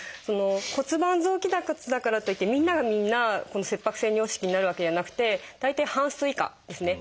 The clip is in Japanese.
骨盤臓器脱だからといってみんながみんな切迫性尿失禁になるわけじゃなくて大体半数以下ですね。